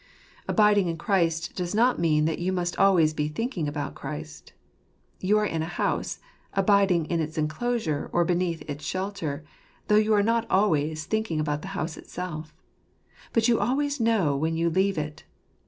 Abiding in Christ does not mean that you must always be thinking about Christ. You are in a house, abiding in its enclosure or beneath its shelter, though you are not always thinking about the house itself. But you always know when you leave it.